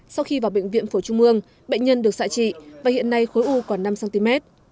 sau khi vào bệnh viện phổ trung mương bệnh nhân được xạ trị và hiện nay khối u còn năm cm